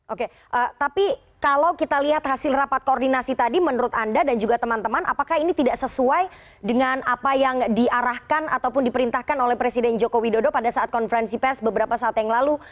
oke tapi kalau kita lihat hasil rapat koordinasi tadi menurut anda dan juga teman teman apakah ini tidak sesuai dengan apa yang diarahkan ataupun diperintahkan oleh presiden joko widodo pada saat konferensi pers beberapa saat yang lalu